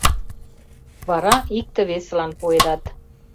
Вара икте-весылан пуэдат.